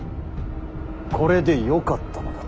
これでよかったのだ。